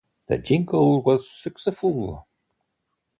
The jingle was successful.